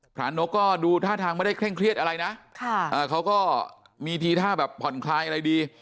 นกก็ดูท่าทางไม่ได้เคร่งเครียดอะไรนะเขาก็มีทีท่าแบบผ่อนคลายอะไรดี